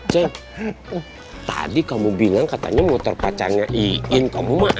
cek tadi kamu bilang katanya motor pacarnya iin kamu mah